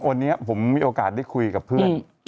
วันนี้ผมมีโอกาสได้คุยกับเพื่อน